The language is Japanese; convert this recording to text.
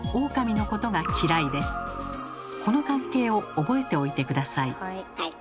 この関係を覚えておいて下さい。